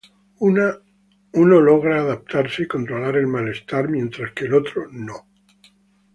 Uno logra adaptarse y controlar el malestar, mientras que el otro no.